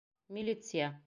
Милиция!